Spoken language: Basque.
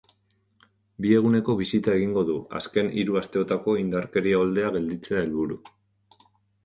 Bi eguneko bisita egingo du, azken hiru asteotako indarkeria oldea gelditzea helburu.